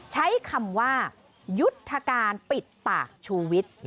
ใช้คำว่ายุทธการปิดปากชูวิทย์